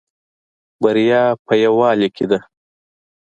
بریا په یوالی کې ده